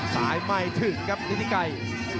ไม่ถึงครับฤทธิไกร